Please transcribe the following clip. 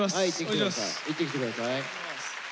行ってきてください。